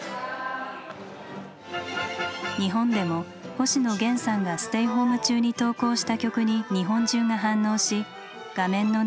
日本でも星野源さんがステイホーム中に投稿した曲に日本中が反応し画面の中で重なりました。